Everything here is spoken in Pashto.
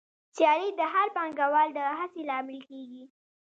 سیالي د هر پانګوال د هڅې لامل کېږي